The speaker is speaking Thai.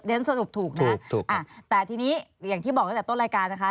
ฉันสรุปถูกนะถูกอ่ะแต่ทีนี้อย่างที่บอกตั้งแต่ต้นรายการนะคะ